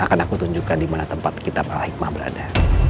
akan aku tunjukkan dimana tempat kitab al hikmah berada